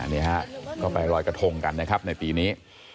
นี่ฮะก็ไปรอยกระทงกันนะครับในปีนี้